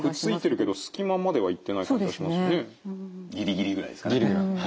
ギリギリぐらいですかね。